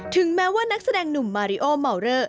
ถึงแม้ว่านักแสดงหนุ่มมาริโอเมาเลอร์